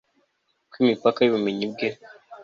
Ko imipaka yubumenyi bwe